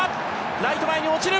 ライト前に落ちる。